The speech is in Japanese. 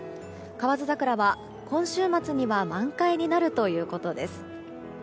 河津桜は今週末には満開になるということです。